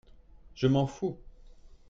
Je m'en fous.